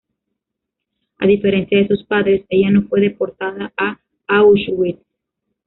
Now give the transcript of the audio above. A diferencia de sus padres, ella no fue deportada a Auschwitz.